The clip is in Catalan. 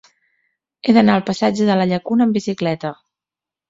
He d'anar al passatge de la Llacuna amb bicicleta.